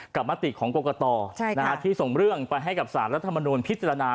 มติของกรกตที่ส่งเรื่องไปให้กับสารรัฐมนูลพิจารณา